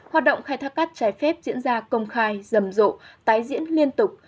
hoạt động khai thác cát trái phép diễn ra công khai rầm rộ tái diễn liên tục